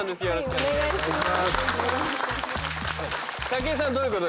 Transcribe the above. お願いします。